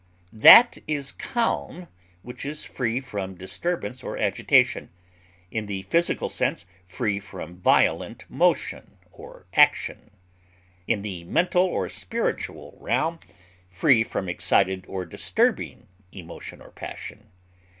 That is calm which is free from disturbance or agitation; in the physical sense, free from violent motion or action; in the mental or spiritual realm, free from excited or disturbing emotion or passion.